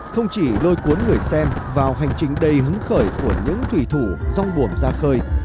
không chỉ lôi cuốn người xem vào hành trình đầy hứng khởi của những thủy thủ rong buồm ra khơi